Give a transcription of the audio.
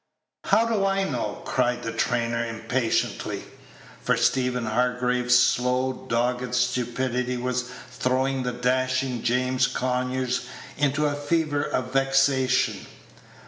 "How do I know?" cried the trainer impatiently; for Stephen Hargrave's slow, dogged stupidity was throwing the dashing James Conyers into a fever of vexation.